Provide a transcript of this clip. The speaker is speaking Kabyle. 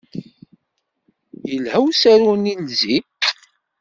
Yelha usaru-nni "Izi"?